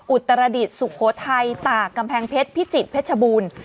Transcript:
อุตรดิษฐ์สุโขทัยตากกำแพงเพชรพิจิตรเพชรบูรณ์